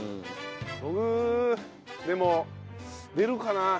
僕でも出るかな。